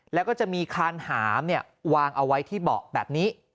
แล้วก็จะมีคานหามวางเอาไว้ที่เบาะแบบนี้